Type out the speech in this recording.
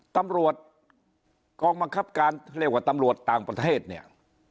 ตำรวจกองบังคับการเรียกว่าตำรวจต่างประเทศเนี่ย